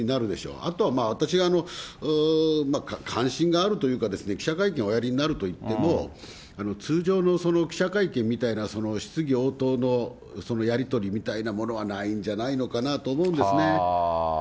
あとはまあ、私が関心があるというか、記者会見をおやりになるといっても通常の記者会見みたいな質疑応答のやり取りみたいなものはないんじゃないのかなと思うんですね。